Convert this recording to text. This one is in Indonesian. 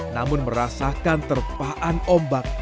namun merasakan terpaan ombak